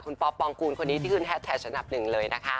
คุณป๊อปปองกูลคนนี้ที่ขึ้นแฮดแท็กอันดับหนึ่งเลยนะคะ